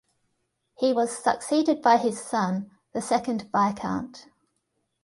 He was succeeded by his son, the second Viscount.